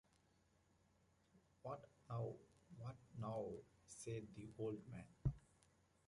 “What now, what now?” said the old man.